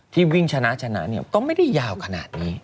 ที่วิ่งชนะเนี่ยก็ไม่ได้ยาวขนาดนี้